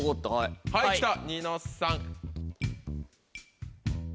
はい来たニノさん。